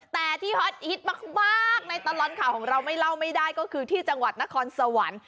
แต่ที่ฮอตฮิตมากในตลอดข่าวของเราไม่เล่าไม่ได้ก็คือที่จังหวัดนครสวรรค์